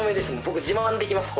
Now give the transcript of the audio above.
僕自慢できます